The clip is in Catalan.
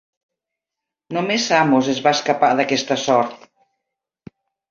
Només Samos es va escapar d'aquesta sort.